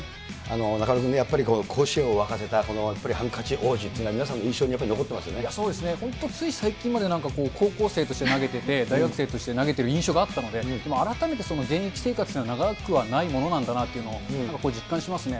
中丸君ね、やっぱり甲子園を沸かせた、やっぱりハンカチ王子っていうのは、皆さんの印象に残そうですね、本当つい最近まで高校生として投げてて、大学生として投げてる印象があったので、現役生活というのは長くはないものなんだなというのをなんか実感しますね。